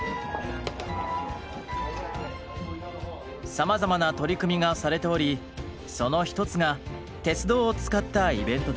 さまざまな取り組みがされておりその一つが鉄道を使ったイベントです。